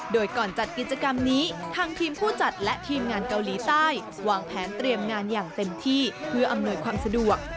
โดยก่อนจัดกิจกรรมนี้ทางทีมผู้จัดและทีมงานเกาหลีใต้วางแผนเตรียมงานอย่างเต็มที่เพื่ออำนวยความสะดวก